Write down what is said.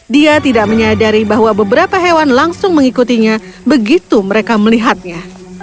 dia tidak menyadari bahwa beberapa hewan langsung mengikutinya begitu mereka melihatnya